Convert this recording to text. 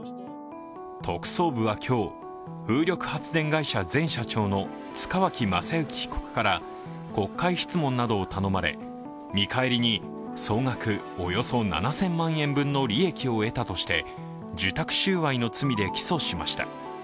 特捜部は今日、風力発電会社前社長の塚脇正幸被告から国会質問などを頼まれ、見返りに総額およそ７０００万円分の利益を得たとして受託収賄の罪で起訴しました。